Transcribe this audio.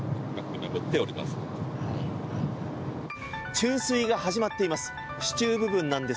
注水が始まっています。